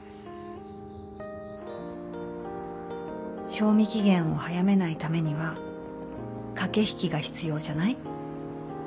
「賞味期限を早めないためには駆け引きが必要じゃない？」